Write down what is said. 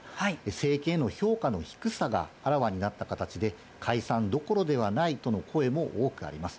政権への評価の低さがあらわになった形で、解散どころではないとの声も多くあります。